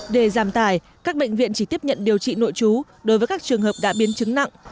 để giảm tài các bệnh viện chỉ tiếp nhận điều trị nội trú đối với các trường hợp đã biến chứng nặng